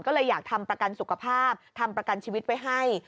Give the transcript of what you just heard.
ก็เลยอยากทำประกันสุขภาพทำประกันชีวิตไว้ให้